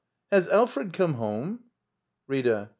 Has Alfred come home? Rtta.